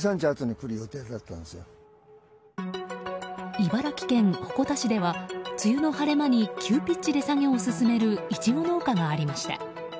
茨城県鉾田市では梅雨の晴れ間に急ピッチで作業を進めるイチゴ農家がありました。